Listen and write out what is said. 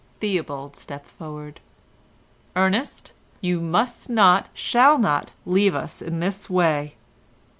Theobald stepped forward. "Ernest, you must not, shall not, leave us in this way."